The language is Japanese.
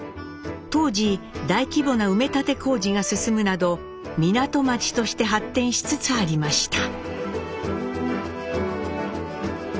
当時大規模な埋め立て工事が進むなど港町として発展しつつありました。